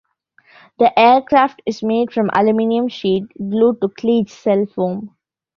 The aircraft is made from aluminum sheet glued to Klegecell foam.